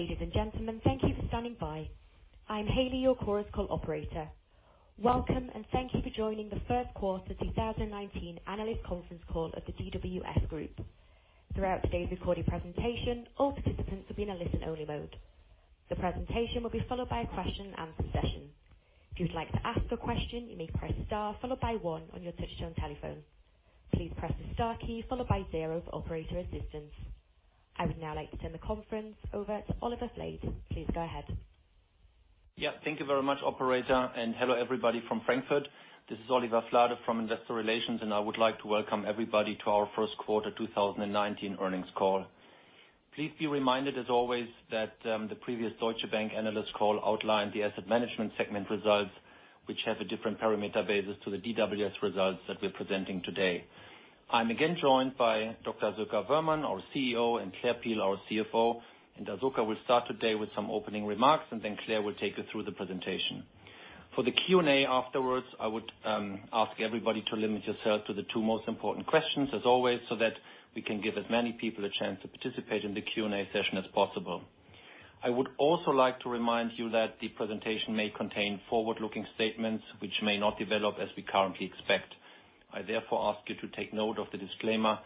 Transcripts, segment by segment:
Ladies and gentlemen, thank you for standing by. I'm Haley, your Chorus Call operator. Welcome, and thank you for joining the first quarter 2019 analyst conference call of the DWS Group. Throughout today's recorded presentation, all participants will be in a listen-only mode. The presentation will be followed by a question and answer session. If you'd like to ask a question, you may press star, followed by one on your touchtone telephone. Please press the star key followed by zero for operator assistance. I would now like to turn the conference over to Oliver Flade. Please go ahead. Thank you very much, operator, and hello, everybody from Frankfurt. This is Oliver Flade from Investor Relations, and I would like to welcome everybody to our first quarter 2019 earnings call. Please be reminded, as always, that the previous Deutsche Bank analyst call outlined the asset management segment results, which have a different parameter basis to the DWS results that we're presenting today. I'm again joined by Dr. Asoka Wöhrmann, our CEO, and Claire Peel, our CFO. Asoka will start today with some opening remarks, and then Claire will take us through the presentation. For the Q&A afterwards, I would ask everybody to limit yourself to the two most important questions as always, so that we can give as many people a chance to participate in the Q&A session as possible. I would also like to remind you that the presentation may contain forward-looking statements which may not develop as we currently expect. I, therefore, ask you to take note of the disclaimer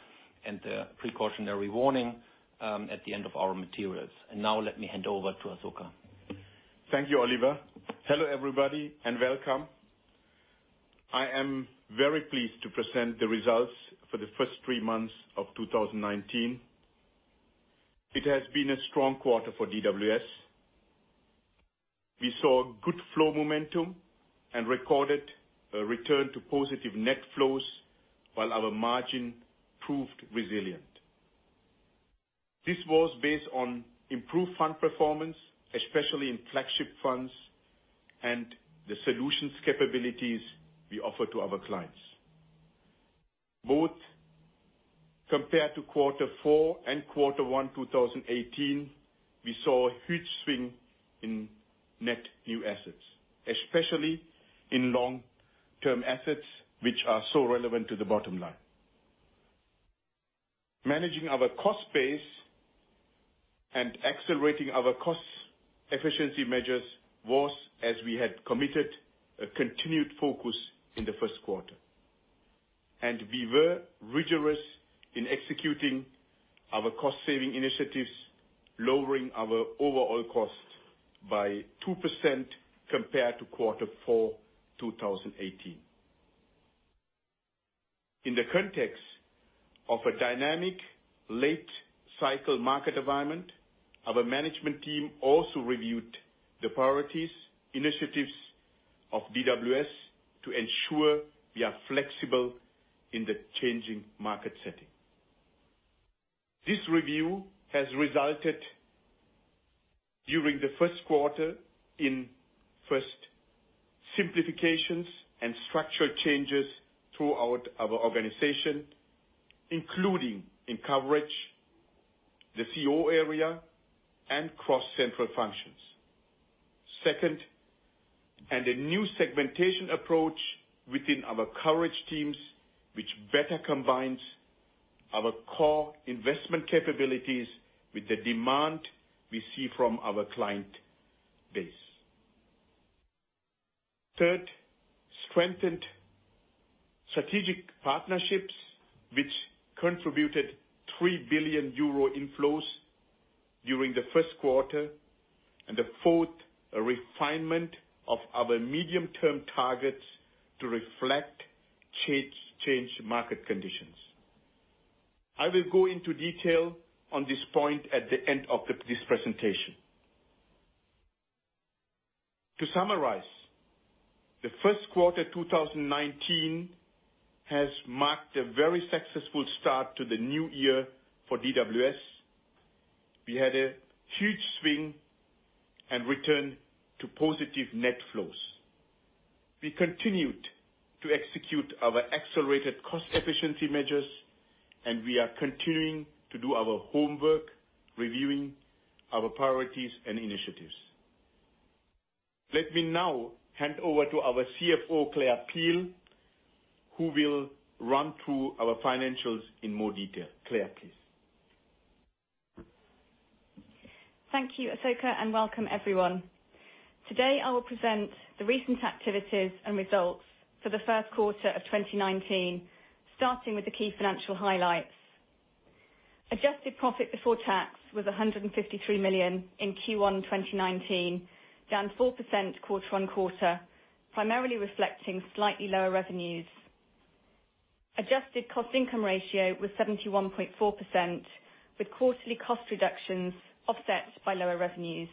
and the precautionary warning, at the end of our materials. Now let me hand over to Asoka. Thank you, Oliver. Hello, everybody, and welcome. I am very pleased to present the results for the first three months of 2019. It has been a strong quarter for DWS. We saw good flow momentum and recorded a return to positive net flows while our margin proved resilient. This was based on improved fund performance, especially in flagship funds and the solutions capabilities we offer to our clients. Both compared to quarter four and quarter one 2018, we saw a huge swing in net new assets, especially in long-term assets, which are so relevant to the bottom line. Managing our cost base and accelerating our cost efficiency measures was, as we had committed, a continued focus in the first quarter. And we were rigorous in executing our cost-saving initiatives, lowering our overall cost by 2% compared to quarter four 2018. In the context of a dynamic late cycle market environment, our management team also reviewed the priorities, initiatives of DWS to ensure we are flexible in the changing market setting. This review has resulted during the first quarter in, first, simplifications and structural changes throughout our organization, including in coverage, the COO area, and cross-central functions. Second, a new segmentation approach within our coverage teams, which better combines our core investment capabilities with the demand we see from our client base. Third, strengthened strategic partnerships, which contributed 3 billion euro inflows during the first quarter. The fourth, a refinement of our medium-term targets to reflect changed market conditions. I will go into detail on this point at the end of this presentation. To summarize, the first quarter 2019 has marked a very successful start to the new year for DWS. We had a huge swing and return to positive net flows. We continued to execute our accelerated cost efficiency measures, and we are continuing to do our homework, reviewing our priorities and initiatives. Let me now hand over to our CFO, Claire Peel, who will run through our financials in more detail. Claire, please. Thank you, Asoka, and welcome everyone. Today, I will present the recent activities and results for the first quarter of 2019, starting with the key financial highlights. Adjusted profit before tax was 153 million in Q1 2019, down 4% quarter on quarter, primarily reflecting slightly lower revenues. Adjusted cost-income ratio was 71.4%, with quarterly cost reductions offset by lower revenues.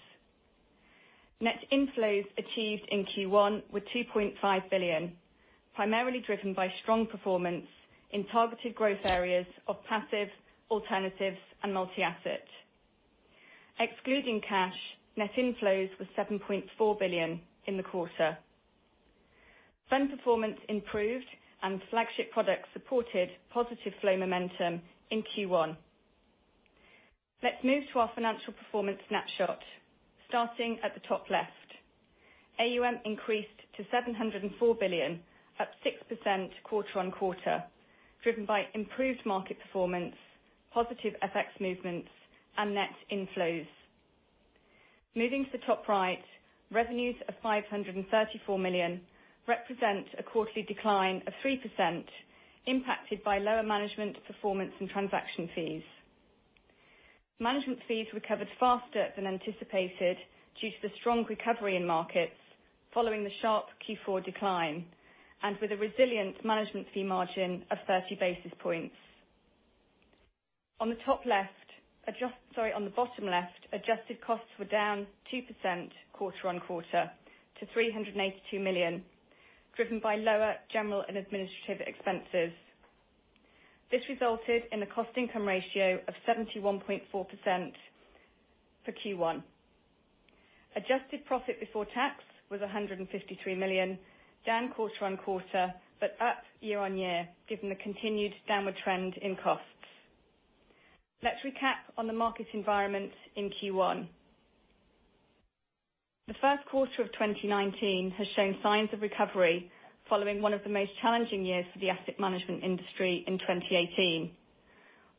Net inflows achieved in Q1 were 2.5 billion, primarily driven by strong performance in targeted growth areas of passive, alternatives, and multi-asset. Excluding cash, net inflows were 7.4 billion in the quarter. Fund performance improved and flagship products supported positive flow momentum in Q1. Let's move to our financial performance snapshot, starting at the top left. AUM increased to 704 billion, up 6% quarter on quarter, driven by improved market performance, positive FX movements, and net inflows. Moving to the top right, revenues of 534 million represent a quarterly decline of 3%, impacted by lower management performance in transaction fees. Management fees recovered faster than anticipated due to the strong recovery in markets following the sharp Q4 decline, and with a resilient management fee margin of 30 basis points. On the bottom left, adjusted costs were down 2% quarter on quarter to 382 million, driven by lower general and administrative expenses. This resulted in a cost-income ratio of 71.4% for Q1. Adjusted profit before tax was 153 million, down quarter on quarter, but up year on year, given the continued downward trend in costs. Let's recap on the market environment in Q1. The first quarter of 2019 has shown signs of recovery following one of the most challenging years for the asset management industry in 2018.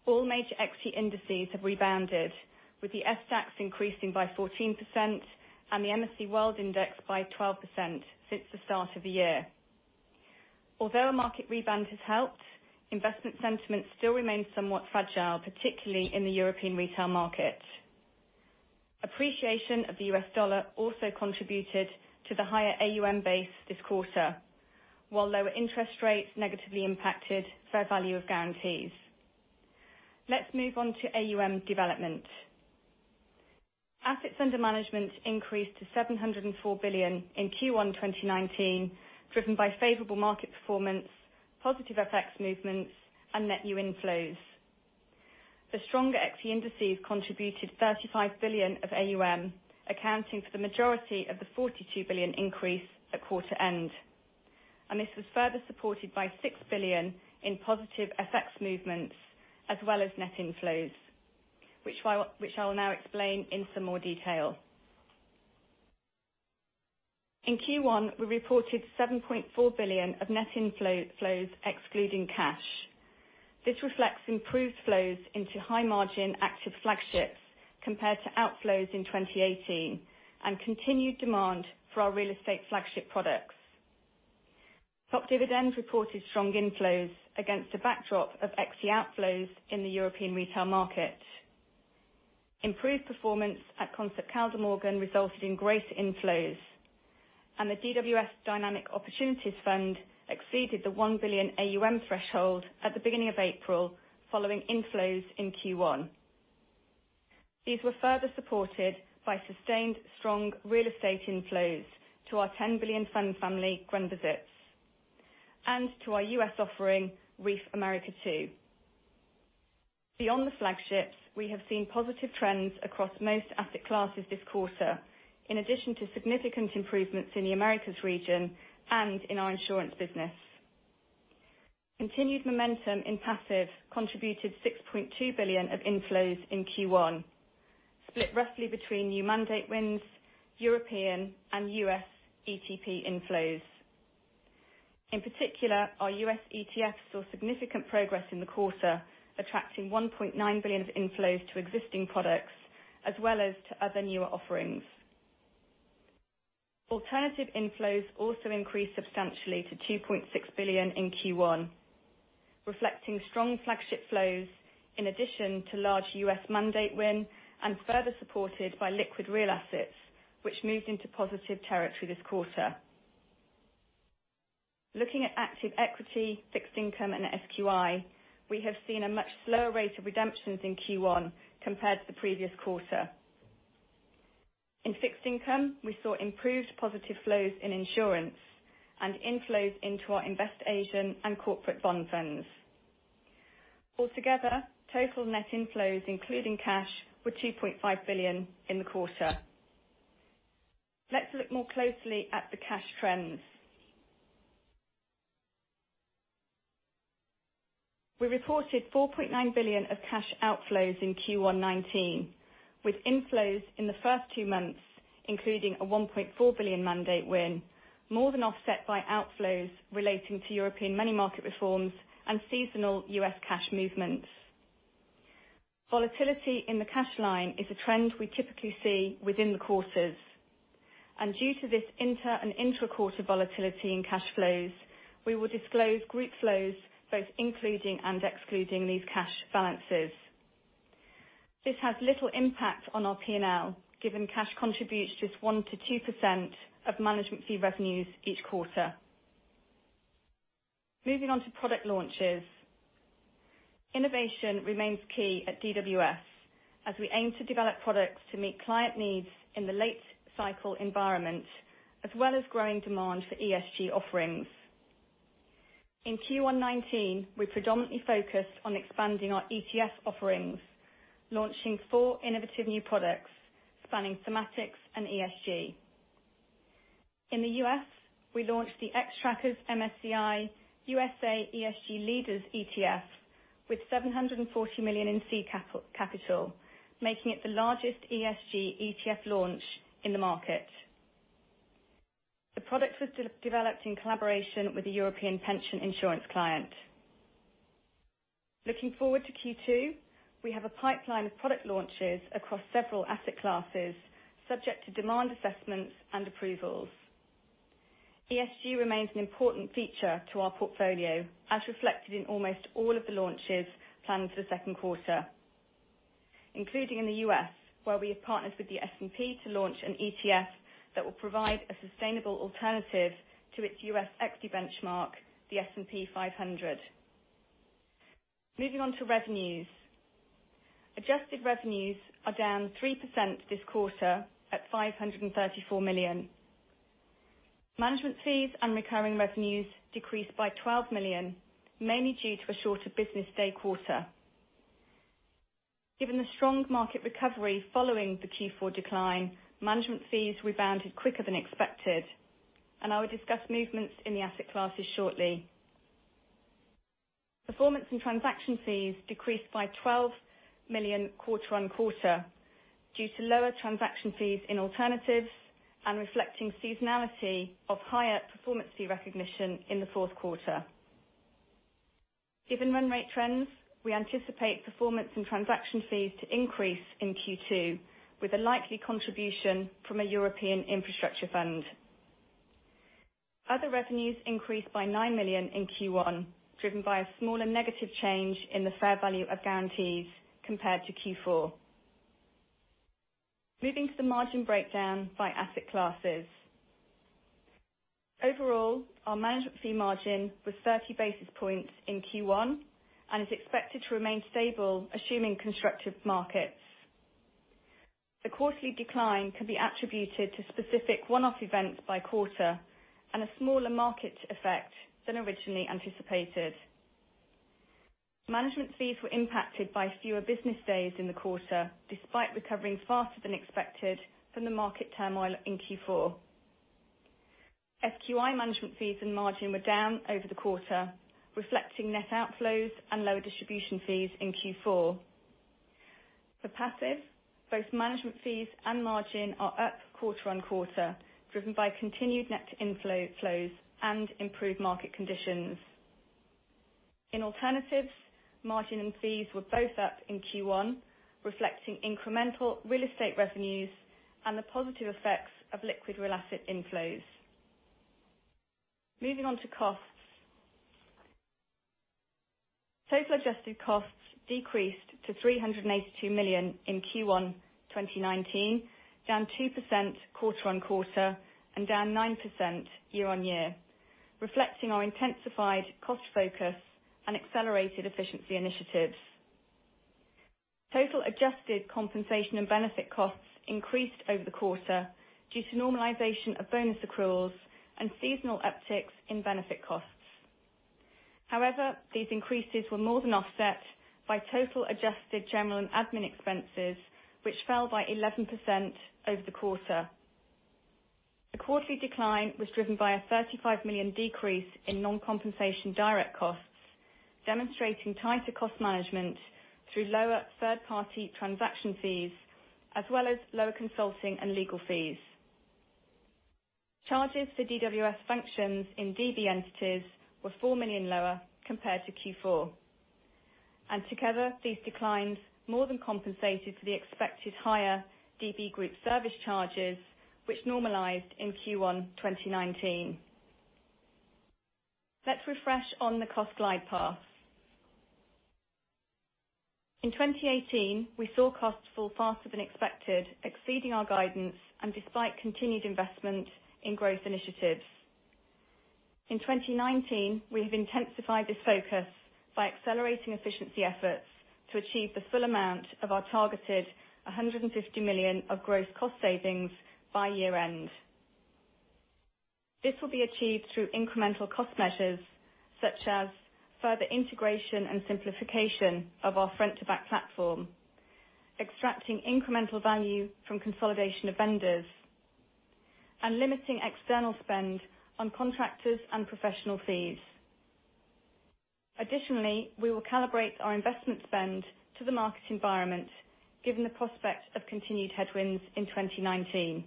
All major equity indices have rebounded with the NASDAQ increasing by 14% and the MSCI World Index by 12% since the start of the year. Although a market rebound has helped, investment sentiment still remains somewhat fragile, particularly in the European retail market. Appreciation of the US dollar also contributed to the higher AUM base this quarter, while lower interest rates negatively impacted fair value of guarantees. Let's move on to AUM development. Assets under management increased to 704 billion in Q1 2019, driven by favorable market performance, positive FX movements, and net new inflows. The stronger equity indices contributed 35 billion of AUM, accounting for the majority of the 42 billion increase at quarter end. This was further supported by 6 billion in positive FX movements as well as net inflows which I will now explain in some more detail. In Q1, we reported 7.4 billion of net inflows excluding cash. This reflects improved flows into high-margin active flagships compared to outflows in 2018 and continued demand for our real estate flagship products. Top Dividende reported strong inflows against a backdrop of equity outflows in the European retail market. Improved performance at Concept Kaldemorgen resulted in greater inflows, and the DWS Dynamic Opportunities Fund exceeded the 1 billion AUM threshold at the beginning of April following inflows in Q1. These were further supported by sustained strong real estate inflows to our 10 billion fund family, Grundbesitz, and to our U.S. offering, RREEF America II. Beyond the flagships, we have seen positive trends across most asset classes this quarter. In addition to significant improvements in the Americas region and in our insurance business. Continued momentum in passive contributed 6.2 billion of inflows in Q1, split roughly between new mandate wins, European and U.S. ETP inflows. In particular, our U.S. ETF saw significant progress in the quarter, attracting 1.9 billion of inflows to existing products as well as to other newer offerings. Alternative inflows also increased substantially to 2.6 billion in Q1, reflecting strong flagship flows in addition to large U.S. mandate win and further supported by liquid real assets which moved into positive territory this quarter. Looking at active equity, fixed income, and SQI, we have seen a much slower rate of redemptions in Q1 compared to the previous quarter. In fixed income, we saw improved positive flows in insurance and inflows into our Invest Asian and corporate bond funds. Altogether, total net inflows, including cash, were 2.5 billion in the quarter. Let's look more closely at the cash trends. We reported 4.9 billion of cash outflows in Q1 2019, with inflows in the first two months, including a 1.4 billion mandate win, more than offset by outflows relating to European money market reforms and seasonal U.S. cash movements. Volatility in the cash line is a trend we typically see within the quarters. Due to this inter and intra-quarter volatility in cash flows, we will disclose group flows both including and excluding these cash balances. This has little impact on our P&L, given cash contributes just 1%-2% of management fee revenues each quarter. Moving on to product launches. Innovation remains key at DWS as we aim to develop products to meet client needs in the late cycle environment, as well as growing demand for ESG offerings. In Q1 2019, we predominantly focused on expanding our ETF offerings, launching four innovative new products spanning thematics and ESG. In the U.S., we launched the Xtrackers MSCI USA ESG Leaders ETF. With 740 million in C capital, making it the largest ESG ETF launch in the market. The product was developed in collaboration with the European Pension Insurance client. Looking forward to Q2, we have a pipeline of product launches across several asset classes, subject to demand assessments and approvals. ESG remains an important feature to our portfolio, as reflected in almost all of the launches planned for the second quarter, including in the U.S., where we have partnered with the S&P to launch an ETF that will provide a sustainable alternative to its U.S. equity benchmark, the S&P 500. Moving on to revenues. Adjusted revenues are down 3% this quarter at 534 million. Management fees and recurring revenues decreased by 12 million, mainly due to a shorter business day quarter. Given the strong market recovery following the Q4 decline, management fees rebounded quicker than expected. I will discuss movements in the asset classes shortly. Performance and transaction fees decreased by 12 million quarter-on-quarter due to lower transaction fees in alternatives and reflecting seasonality of higher performance fee recognition in the fourth quarter. Given run rate trends, we anticipate performance and transaction fees to increase in Q2, with a likely contribution from a European infrastructure fund. Other revenues increased by 9 million in Q1, driven by a smaller negative change in the fair value of guarantees compared to Q4. Moving to the margin breakdown by asset classes. Overall, our management fee margin was 30 basis points in Q1, and is expected to remain stable, assuming constructive markets. The quarterly decline can be attributed to specific one-off events by quarter and a smaller market effect than originally anticipated. Management fees were impacted by fewer business days in the quarter, despite recovering faster than expected from the market turmoil in Q4. SQI management fees and margin were down over the quarter, reflecting net outflows and lower distribution fees in Q4. For passive, both management fees and margin are up quarter-on-quarter, driven by continued net inflows and improved market conditions. In alternatives, margin and fees were both up in Q1, reflecting incremental real estate revenues and the positive effects of liquid real assets inflows. Moving on to costs. Total adjusted costs decreased to 382 million in Q1 2019, down 2% quarter-on-quarter, down 9% year-on-year, reflecting our intensified cost focus and accelerated efficiency initiatives. Total adjusted compensation and benefit costs increased over the quarter due to normalization of bonus accruals and seasonal upticks in benefit costs. These increases were more than offset by total adjusted general and admin expenses, which fell by 11% over the quarter. The quarterly decline was driven by a 35 million decrease in non-compensation direct costs, demonstrating tighter cost management through lower third-party transaction fees, as well as lower consulting and legal fees. Charges for DWS functions in DB entities were four million lower compared to Q4. Together, these declines more than compensated for the expected higher DB group service charges, which normalized in Q1 2019. Let's refresh on the cost glide path. In 2018, we saw costs fall faster than expected, exceeding our guidance and despite continued investment in growth initiatives. In 2019, we have intensified this focus by accelerating efficiency efforts to achieve the full amount of our targeted 150 million of gross cost savings by year-end. This will be achieved through incremental cost measures, such as further integration and simplification of our front to back platform, extracting incremental value from consolidation of vendors, and limiting external spend on contractors and professional fees. Additionally, we will calibrate our investment spend to the market environment, given the prospect of continued headwinds in 2019.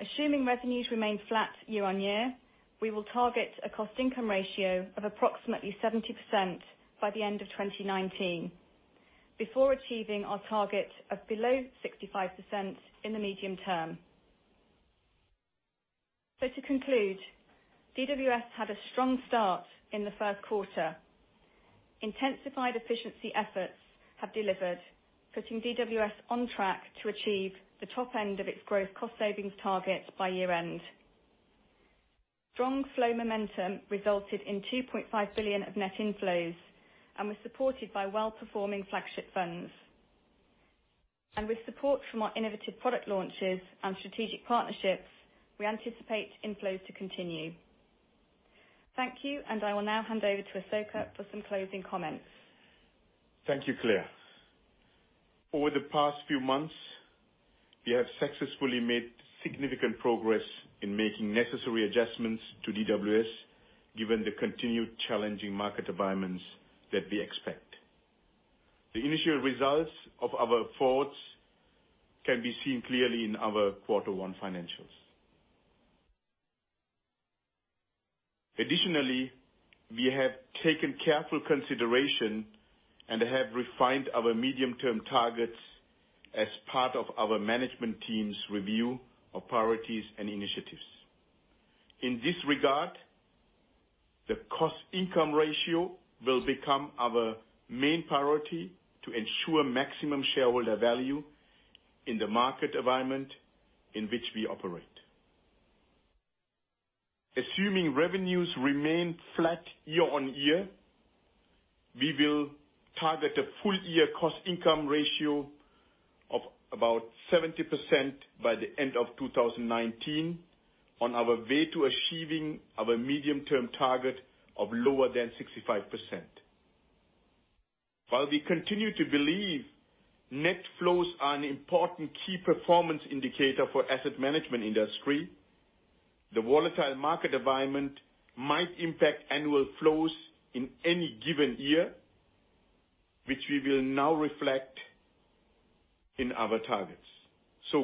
Assuming revenues remain flat year-on-year, we will target a cost-income ratio of approximately 70% by the end of 2019, before achieving our target of below 65% in the medium term. To conclude, DWS had a strong start in the first quarter. Intensified efficiency efforts have delivered, putting DWS on track to achieve the top end of its gross cost savings target by year-end. Strong flow momentum resulted in 2.5 billion of net inflows and was supported by well-performing flagship funds. With support from our innovative product launches and strategic partnerships, we anticipate inflows to continue. Thank you, and I will now hand over to Asoka for some closing comments. Thank you, Claire. Over the past few months, we have successfully made significant progress in making necessary adjustments to DWS given the continued challenging market environments that we expect. The initial results of our efforts can be seen clearly in our quarter one financials. Additionally, we have taken careful consideration and have refined our medium-term targets as part of our management team's review of priorities and initiatives. In this regard, the cost-income ratio will become our main priority to ensure maximum shareholder value in the market environment in which we operate. Assuming revenues remain flat year-on-year, we will target a full year cost-income ratio of about 70% by the end of 2019 on our way to achieving our medium-term target of lower than 65%. While we continue to believe net flows are an important key performance indicator for asset management industry, the volatile market environment might impact annual flows in any given year, which we will now reflect in our targets.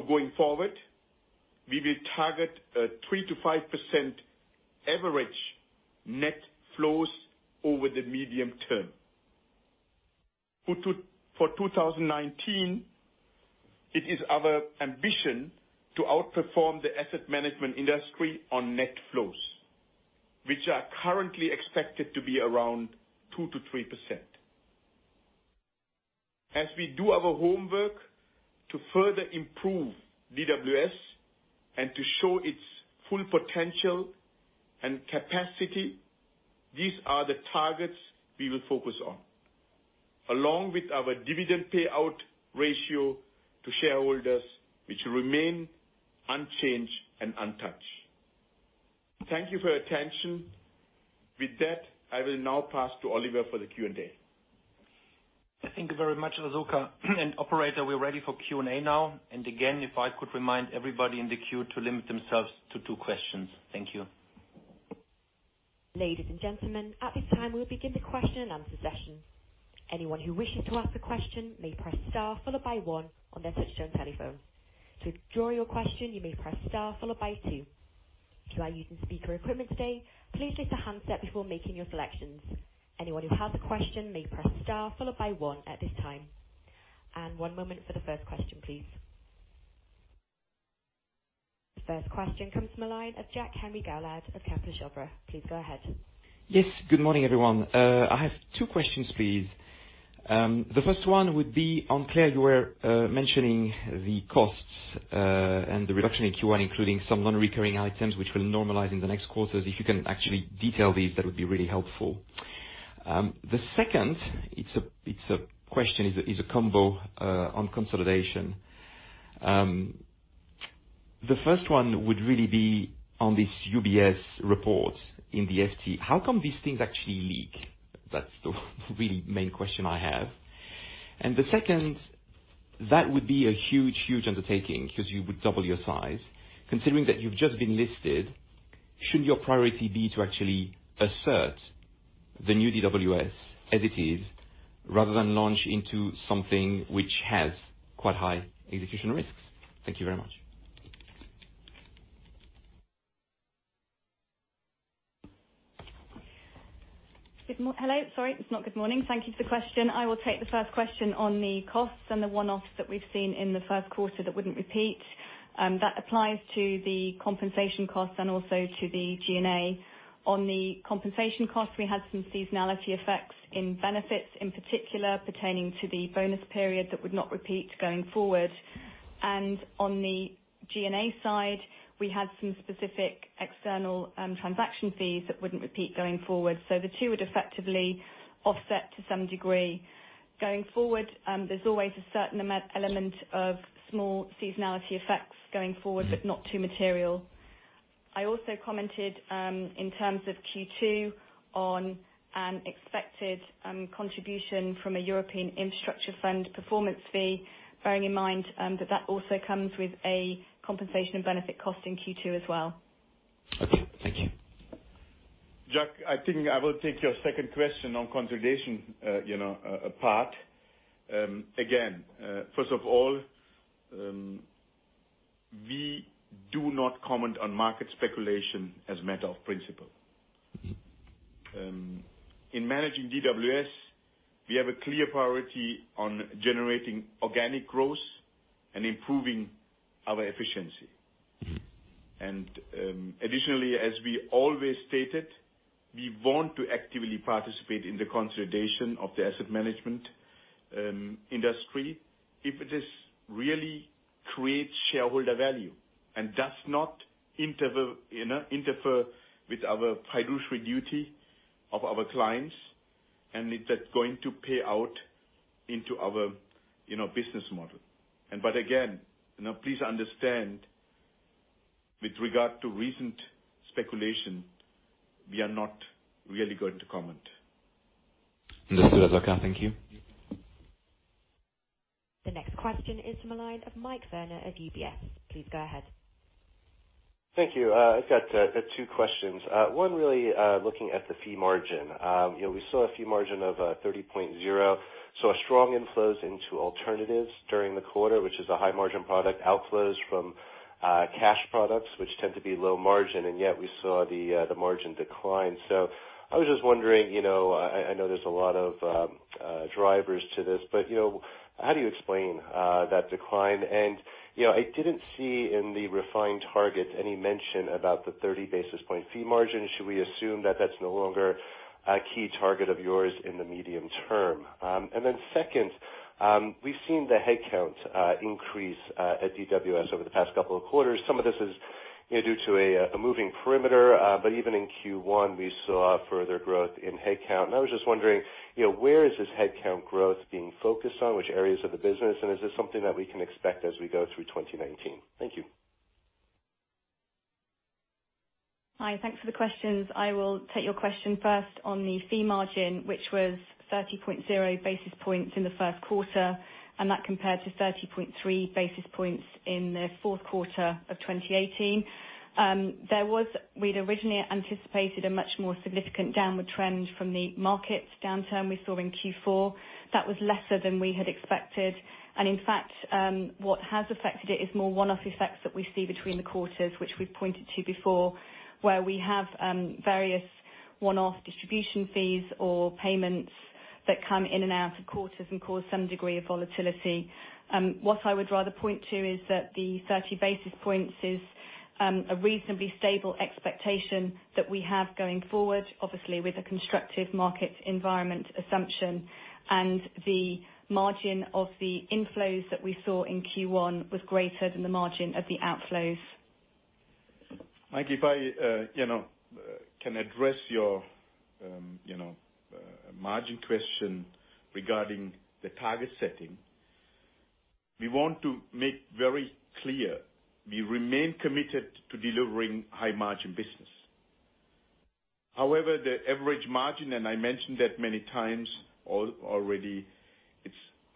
Going forward, we will target a 3%-5% average net flows over the medium term. For 2019, it is our ambition to outperform the asset management industry on net flows, which are currently expected to be around 2%-3%. As we do our homework to further improve DWS and to show its full potential and capacity, these are the targets we will focus on, along with our dividend payout ratio to shareholders, which remain unchanged and untouched. Thank you for your attention. With that, I will now pass to Oliver for the Q&A. Thank you very much, Asoka. Operator, we're ready for Q&A now. Again, if I could remind everybody in the queue to limit themselves to two questions. Thank you. Ladies and gentlemen, at this time, we'll begin the question and answer session. Anyone who wishes to ask a question may press star followed by one on their touchtone telephone. To withdraw your question, you may press star followed by two. If you are using speaker equipment today, please raise your handset before making your selections. Anyone who has a question may press star followed by one at this time. One moment for the first question, please. The first question comes from the line of Jacques-Henri Gaulard of Kepler Cheuvreux. Please go ahead. Yes. Good morning, everyone. I have two questions, please. The first one would be, Claire, you were mentioning the costs, the reduction in Q1, including some non-recurring items which will normalize in the next quarters. If you can actually detail these, that would be really helpful. The second question is a combo, on consolidation. The first one would really be on this UBS report in the FT. How come these things actually leak? That's the really main question I have. The second, that would be a huge undertaking because you would double your size. Considering that you've just been listed, should your priority be to actually assert the new DWS as it is, rather than launch into something which has quite high execution risks? Thank you very much. Hello. Sorry, it's not good morning. Thank you for the question. I will take the first question on the costs and the one-offs that we've seen in the first quarter that wouldn't repeat. That applies to the compensation costs and also to the G&A. On the compensation cost, we had some seasonality effects in benefits, in particular pertaining to the bonus period that would not repeat going forward. On the G&A side, we had some specific external transaction fees that wouldn't repeat going forward. The two would effectively offset to some degree. Going forward, there's always a certain element of small seasonality effects going forward, but not too material. I also commented, in terms of Q2, on an expected contribution from a European infrastructure fund performance fee, bearing in mind that also comes with a compensation and benefit cost in Q2 as well. Okay. Thank you. Jack, I think I will take your second question on consolidation apart. Again, first of all, we do not comment on market speculation as a matter of principle. In managing DWS, we have a clear priority on generating organic growth and improving our efficiency. Additionally, as we always stated, we want to actively participate in the consolidation of the asset management industry if it really creates shareholder value and does not interfere with our fiduciary duty of our clients, and if that's going to pay out into our business model. Again, please understand with regard to recent speculation, we are not really going to comment. Understood, Asoka. Thank you. The next question is from the line of Michael Werner of UBS. Please go ahead. Thank you. I've got two questions. One, really looking at the fee margin. We saw a fee margin of 30.0. Saw strong inflows into alternatives during the quarter, which is a high margin product. Outflows from cash products, which tend to be low margin, and yet we saw the margin decline. I was just wondering, I know there's a lot of drivers to this, but how do you explain that decline? I didn't see in the refined targets any mention about the 30 basis point fee margin. Should we assume that that's no longer a key target of yours in the medium term? Second, we've seen the headcount increase at DWS over the past couple of quarters. Some of this is due to a moving perimeter, but even in Q1 we saw further growth in headcount. I was just wondering, where is this headcount growth being focused on, which areas of the business, and is this something that we can expect as we go through 2019? Thank you. Hi, thanks for the questions. I will take your question first on the fee margin, which was 30.0 basis points in the first quarter, and that compared to 30.3 basis points in the fourth quarter of 2018. We'd originally anticipated a much more significant downward trend from the market downturn we saw in Q4. That was lesser than we had expected. In fact, what has affected it is more one-off effects that we see between the quarters, which we've pointed to before, where we have various one-off distribution fees or payments that come in and out of quarters and cause some degree of volatility. What I would rather point to is that the 30 basis points is a reasonably stable expectation that we have going forward, obviously, with a constructive market environment assumption, and the margin of the inflows that we saw in Q1 was greater than the margin of the outflows. Mike, if I can address your margin question regarding the target setting. We want to make very clear, we remain committed to delivering high margin business. However, the average margin, and I mentioned that many times already, it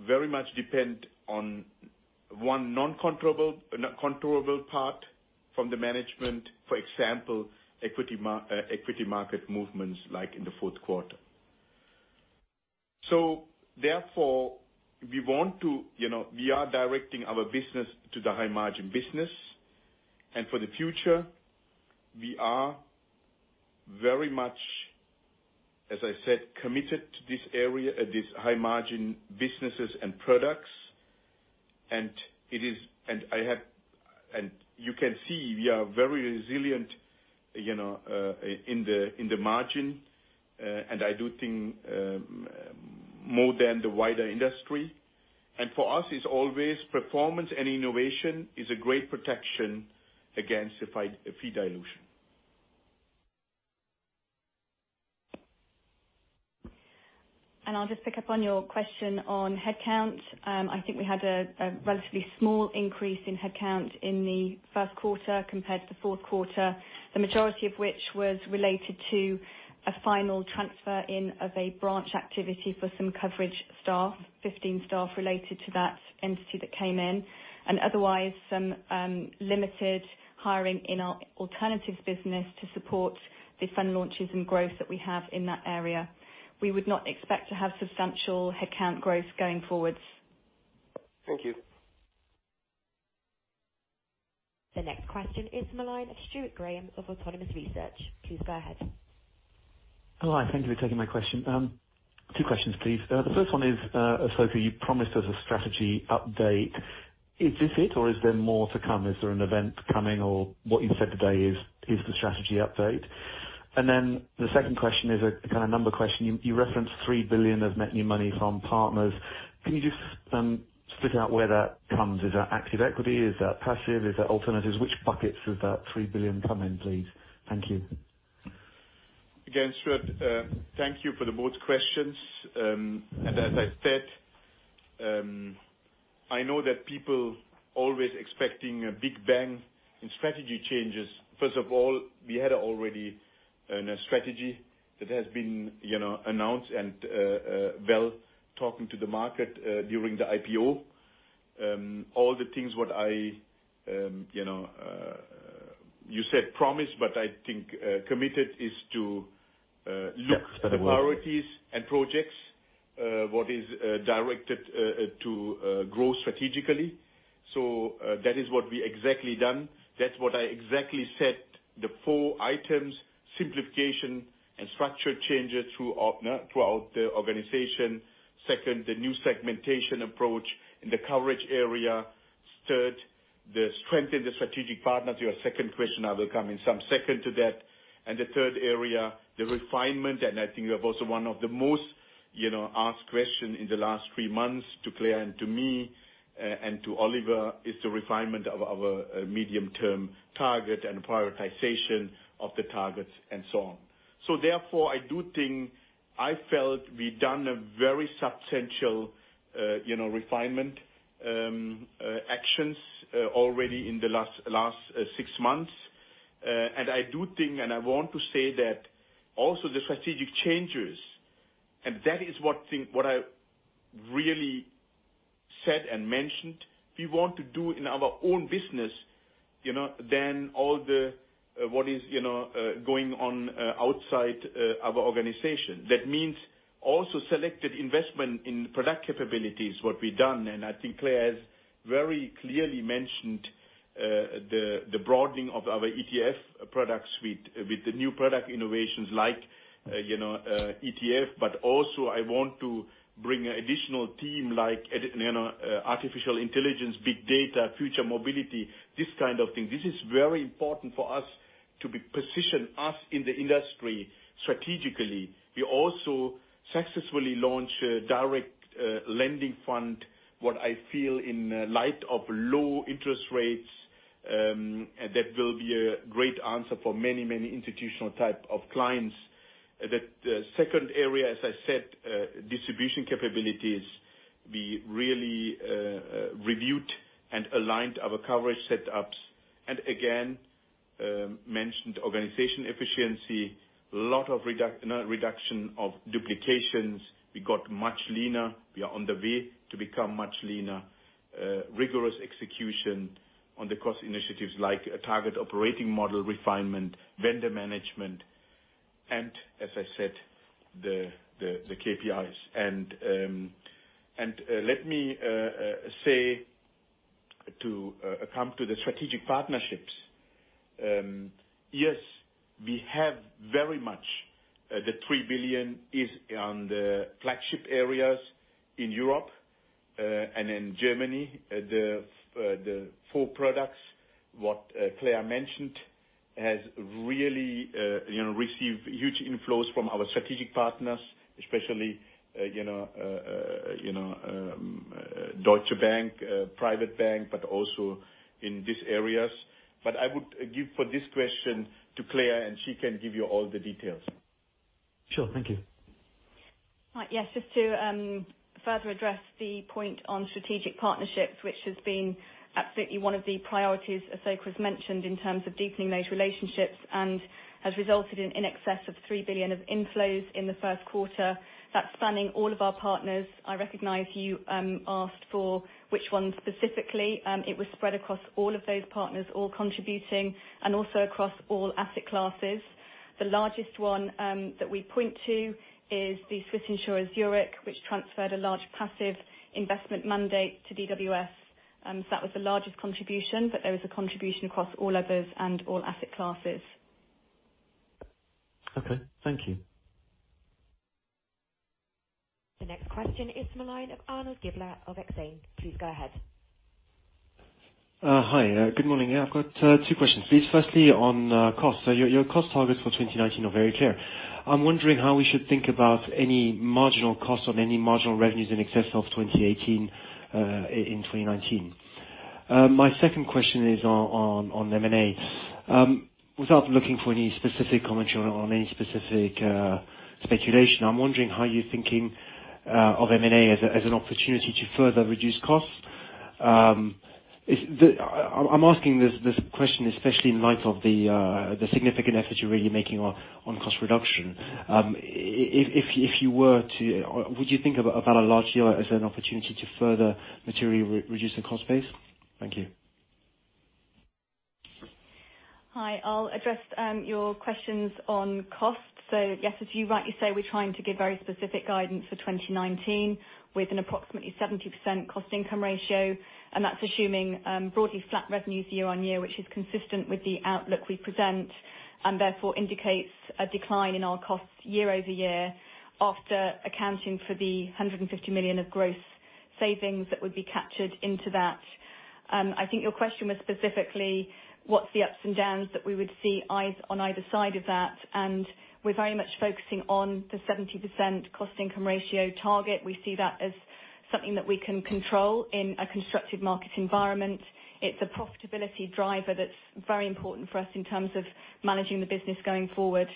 very much depend on one non-controllable part from the management. For example, equity market movements like in the fourth quarter. Therefore, we are directing our business to the high margin business. For the future, we are very much, as I said, committed to this area at this high margin businesses and products. You can see we are very resilient in the margin. I do think more than the wider industry. For us, it's always performance and innovation is a great protection against fee dilution. I'll just pick up on your question on headcount. I think we had a relatively small increase in headcount in the first quarter compared to the fourth quarter, the majority of which was related to a final transfer in of a branch activity for some coverage staff, 15 staff related to that entity that came in. Otherwise, some limited hiring in our alternatives business to support the fund launches and growth that we have in that area. We would not expect to have substantial headcount growth going forwards. Thank you. The next question is from the line of Stuart Graham of Autonomous Research. Please go ahead. Hello. Thank you for taking my question. Two questions, please. The first one is, Asoka, you promised us a strategy update. Is this it or is there more to come? Is there an event coming or what you've said today is the strategy update? The second question is a kind of number question. You referenced 3 billion of net new money from partners. Can you just split out where that comes? Is that active equity? Is that passive? Is that alternatives? Which buckets is that 3 billion come in, please? Thank you. Again, Stuart, thank you for the both questions. As I said, I know that people always expecting a big bang in strategy changes. First of all, we had already a strategy that has been announced and well, talking to the market during the IPO. All the things what you said promise, but I think committed is to look- Yes at the priorities and projects, what is directed to grow strategically. That is what we exactly done. That's what I exactly said, the four items, simplification and structure changes throughout the organization. Second, the new segmentation approach in the coverage area. Third, the strength in the strategic partners. Your second question, I will come in some second to that. The third area, the refinement, and I think that was one of the most asked question in the last three months to Claire and to me, and to Oliver, is the refinement of our medium term target and prioritization of the targets and so on. Therefore, I do think, I felt we've done a very substantial refinement actions already in the last six months. I do think, I want to say that also the strategic changes, and that is what I really said and mentioned, we want to do in our own business, than all what is going on outside our organization. That means also selected investment in product capabilities, what we've done. I think Claire has very clearly mentioned the broadening of our ETF product suite with the new product innovations like ETF. Also I want to bring additional themes like artificial intelligence, big data, future mobility, this kind of thing. This is very important for us to position us in the industry strategically. We also successfully launch a direct lending fund, what I feel in light of low interest rates, that will be a great answer for many institutional type of clients. The second area, as I said, distribution capabilities. We really reviewed and aligned our coverage setups and, again, mentioned organization efficiency, lot of reduction of duplications. We got much leaner. We are on the way to become much leaner. Rigorous execution on the cost initiatives like target operating model refinement, vendor management and, as I said, the KPIs. Let me say to come to the strategic partnerships. Yes, we have very much the 3 billion is on the flagship areas in Europe, and in Germany, the four products, what Claire mentioned, has really received huge inflows from our strategic partners, especially Deutsche Bank Private Bank, but also in these areas. I would give for this question to Claire, She can give you all the details. Sure. Thank you. Yes. Just to further address the point on strategic partnerships, which has been absolutely one of the priorities, Asoka has mentioned, in terms of deepening those relationships, and has resulted in excess of 3 billion of inflows in the first quarter. That is spanning all of our partners. I recognize you asked for which ones specifically. It was spread across all of those partners, all contributing, and also across all asset classes. The largest one that we point to is the Swiss insurer, Zurich, which transferred a large passive investment mandate to DWS. That was the largest contribution, but there was a contribution across all others and all asset classes. Okay. Thank you. The next question is the line of Arnaud Giblat of Exane. Please go ahead. Hi. Good morning. I've got two questions, please. Firstly, on costs. Your cost targets for 2019 are very clear. I'm wondering how we should think about any marginal costs on any marginal revenues in excess of 2018 in 2019. My second question is on M&A. Without looking for any specific commentary on any specific speculation, I'm wondering how you're thinking of M&A as an opportunity to further reduce costs. I'm asking this question, especially in light of the significant efforts you're really making on cost reduction. Would you think about a large deal as an opportunity to further materially reduce the cost base? Thank you. Hi. I'll address your questions on costs. Yes, as you rightly say, we're trying to give very specific guidance for 2019, with an approximately 70% cost-income ratio, and that's assuming broadly flat revenues year-over-year, which is consistent with the outlook we present, and therefore indicates a decline in our costs year-over-year after accounting for the 150 million of gross savings that would be captured into that. I think your question was specifically what's the ups and downs that we would see on either side of that, and we're very much focusing on the 70% cost-income ratio target. We see that as something that we can control in a constructive market environment. It's a profitability driver that's very important for us in terms of managing the business going forward.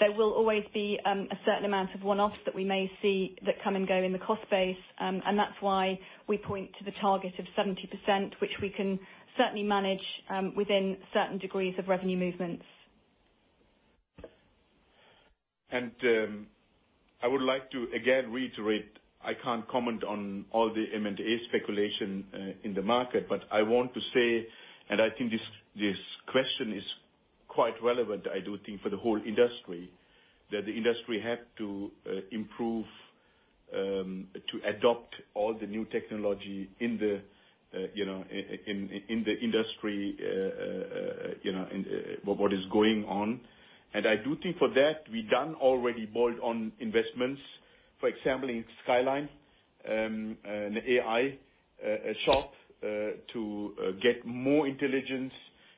There will always be a certain amount of one-offs that we may see that come and go in the cost base, and that's why we point to the target of 70%, which we can certainly manage within certain degrees of revenue movements. I would like to again reiterate, I can't comment on all the M&A speculation in the market, but I want to say, and I think this question is quite relevant, I do think for the whole industry that the industry had to improve to adopt all the new technology in the industry, what is going on. I do think for that, we've done already bolt-on investments. For example, in Skyline AI, an AI shop, to get more intelligence,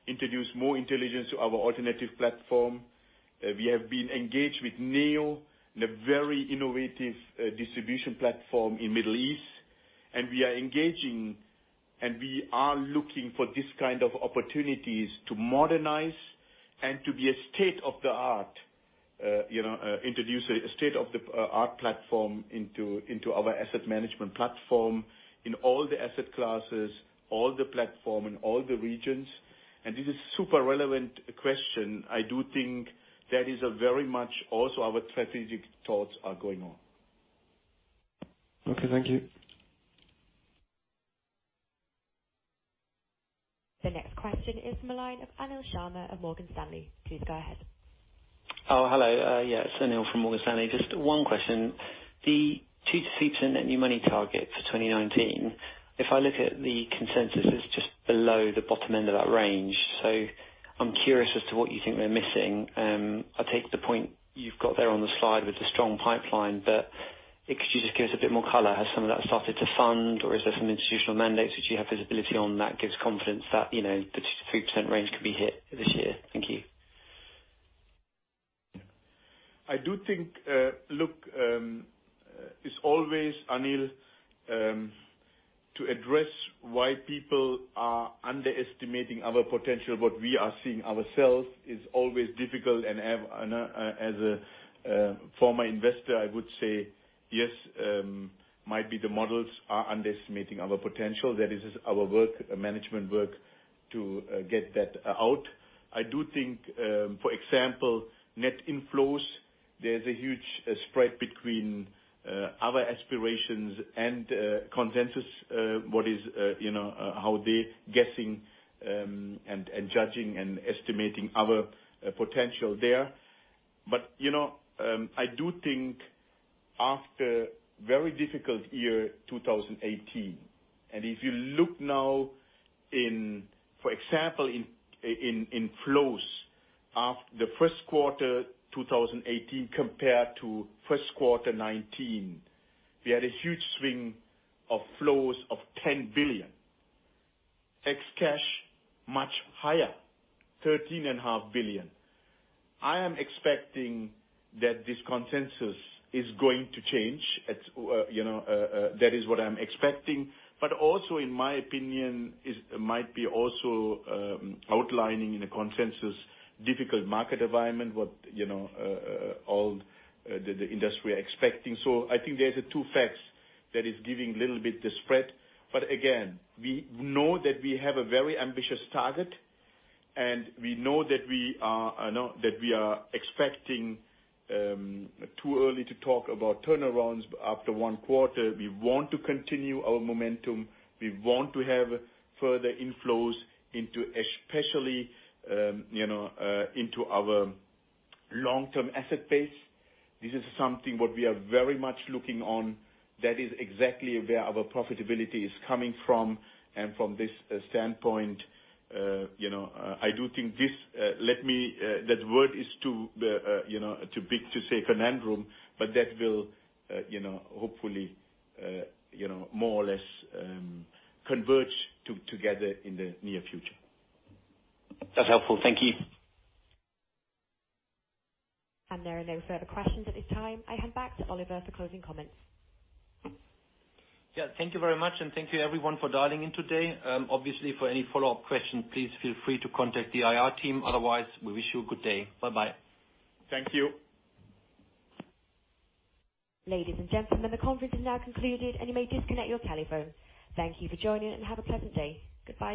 introduce more intelligence to our alternative platform. We have been engaged with Neo in a very innovative distribution platform in Middle East, and we are engaging, and we are looking for this kind of opportunities to modernize and to introduce a state-of-the-art platform into our asset management platform in all the asset classes, all the platform in all the regions. This is super relevant question. I do think that is a very much also our strategic thoughts are going on. Okay, thank you. The next question is the line of Anil Sharma of Morgan Stanley. Please go ahead. Hello. Yes, Anil from Morgan Stanley. Just one question. The 2%-3% net new money target for 2019, if I look at the consensus, it's just below the bottom end of that range. I'm curious as to what you think they're missing. I take the point you've got there on the slide with the strong pipeline, could you just give us a bit more color? Has some of that started to fund or is there some institutional mandates that you have visibility on that gives confidence that the 2%-3% range could be hit this year? Thank you. I do think, look, it is always, Anil, to address why people are underestimating our potential, what we are seeing ourselves is always difficult and as a former investor, I would say, yes, might be the models are underestimating our potential. That is our management work to get that out. I do think, for example, net inflows, there is a huge spread between our aspirations and consensus, how they are guessing and judging and estimating our potential there. I do think after very difficult year, 2018, and if you look now, for example, in flows of the first quarter 2018 compared to first quarter 2019, we had a huge swing of flows of 10 billion. X cash, much higher, 13.5 billion. I am expecting that this consensus is going to change. That is what I am expecting. Also, in my opinion, it might be also outlining in a consensus difficult market environment what all the industry are expecting. I think there are the two facts that is giving a little bit the spread. Again, we know that we have a very ambitious target, and we know that we are expecting, too early to talk about turnarounds after one quarter. We want to continue our momentum. We want to have further inflows into especially into our long-term asset base. This is something what we are very much looking on. That is exactly where our profitability is coming from. From this standpoint, I do think that word is too big to say conundrum, but that will hopefully more or less converge together in the near future. That is helpful. Thank you. There are no further questions at this time. I hand back to Oliver for closing comments. Yeah, thank you very much, and thank you everyone for dialing in today. Obviously, for any follow-up questions, please feel free to contact the IR team. Otherwise, we wish you a good day. Bye-bye. Thank you. Ladies and gentlemen, the conference is now concluded, and you may disconnect your telephone. Thank you for joining and have a pleasant day. Goodbye.